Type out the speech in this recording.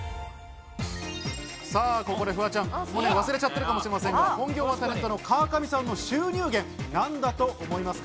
ここでフワちゃん、忘れてるかもしれませんが、本業はタレントの川上さんの収入源は何だと思いますか？